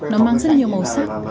nó mang rất nhiều màu sắc